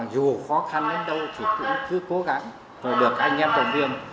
dù khó khăn đến đâu thì cũng cứ cố gắng rồi được anh em đồng viên